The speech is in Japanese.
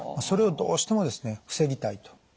それをどうしてもですね防ぎたいと。